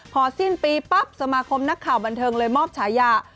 พอสิ้นปีปั๊บสมาคมนักข่าวบันเทิงเลยมอบฉายา